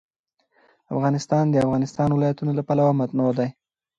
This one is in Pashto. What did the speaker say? افغانستان د د افغانستان ولايتونه له پلوه متنوع دی.